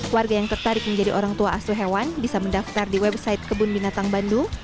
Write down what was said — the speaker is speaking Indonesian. warga yang tertarik menjadi orang tua asuh hewan bisa mendaftar di website kebun binatang bandung